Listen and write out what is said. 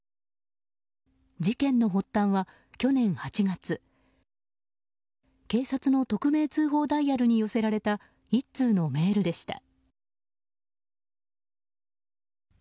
事件の発端は去年８月警察の匿名通報ダイヤルに寄せられた１通のメールでした。